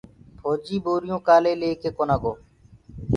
ڦوجيٚ ٻورِيونٚ ڪآلي ليڪي ڪونآ گوآ